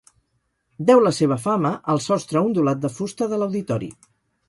Deu la seva fama al sostre ondulat de fusta de l'auditori.